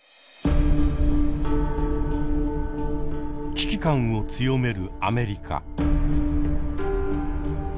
危機感を強めるアメリカ。